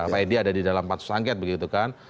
pak edi ada di dalam pasus angget begitu kan